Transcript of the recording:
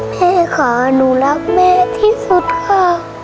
แม่ค่ะหนูรักแม่ที่สุดค่ะ